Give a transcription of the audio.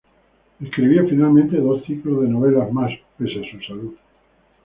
Escribió finalmente dos ciclos de novelas más, pese a su salud.